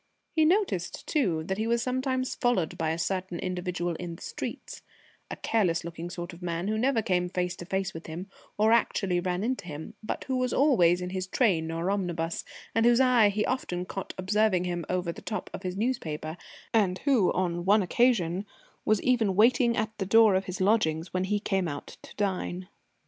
He noticed, too, that he was sometimes followed by a certain individual in the streets, a careless looking sort of man, who never came face to face with him, or actually ran into him, but who was always in his train or omnibus, and whose eye he often caught observing him over the top of his newspaper, and who on one occasion was even waiting at the door of his lodgings when he came out to dine.